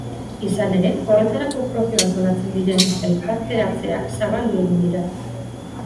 Izan ere, horretarako propio antolatzen diren elkarretaratzeak zabaldu egin dira.